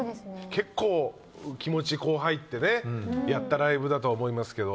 結構気持ちこう入ってねやったライブだとは思いますけど。